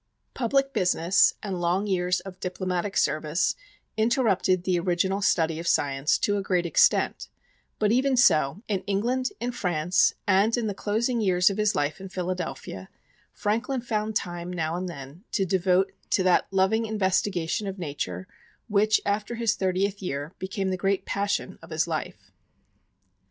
Public business and long years of diplomatic service interrupted the original study of science to a great extent; but even so, in England, in France, and in the closing years of his life in Philadelphia, Franklin found time, now and then, to devote to that loving investigation of Nature, which, after his thirtieth year, became the great passion of his life.